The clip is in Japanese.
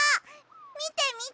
みてみて！